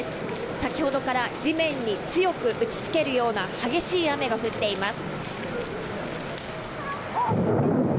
先ほどから地面に強く打ち付けるような激しい雨が降っています。